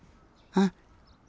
あっ。